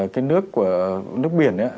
cái nước của nước biển